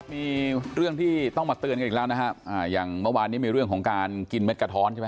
มีเรื่องที่ต้องมาเตือนกันอีกแล้วนะครับอ่าอย่างเมื่อวานนี้มีเรื่องของการกินเม็ดกระท้อนใช่ไหม